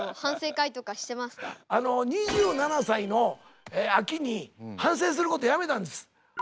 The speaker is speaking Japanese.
２７歳の秋に反省することやめたんです。